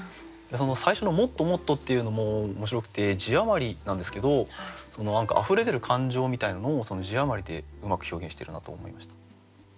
最初の「もっともっと」っていうのも面白くて字余りなんですけどその何かあふれ出る感情みたいなのをその字余りでうまく表現しているなと思いました。